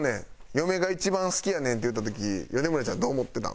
嫁が一番好きやねん」って言った時米村ちゃんどう思ってた？